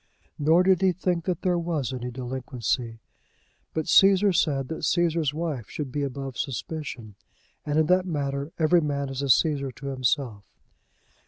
Nor did he think that there was any delinquency. But Cæsar said that Cæsar's wife should be above suspicion, and in that matter every man is a Cæsar to himself.